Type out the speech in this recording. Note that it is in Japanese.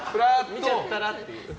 見ちゃったなっていう。